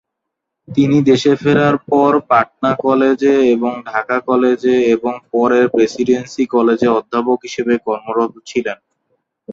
তিনি দেশে ফেরার পর পাটনা কলেজে এবং ঢাকা কলেজে এবং পরে প্রেসিডেন্সি কলেজে অধ্যাপক হিসাবে কর্মরত ছিলেন।